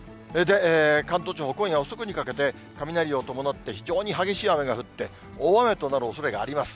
関東地方、今夜遅くにかけて、雷を伴って、非常に激しい雨が降って、大雨となるおそれがあります。